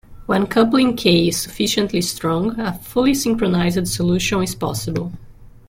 When coupling "K" is sufficiently strong, a fully synchronized solution is possible.